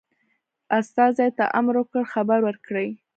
استازي ته امر وکړ خبر ورکړي.